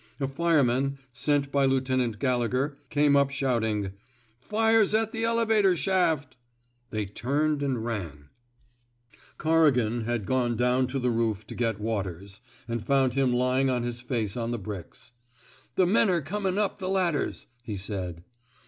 A fireman, sent by Lieutenant Gallegher, came up shouting: '* Fire's at the elevator shaft I " They turned and ran. 215 THE SMOKE EATEES Conigan had gone down to the roof to get Waters, and found him lying on his face on the bricks. *' The men 're comin* up the ladders/', he said.